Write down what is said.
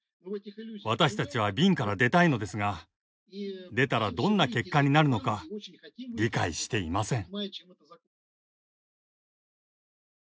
私たちは瓶から出たいのですが出たらどんな結果になるのか理解していません。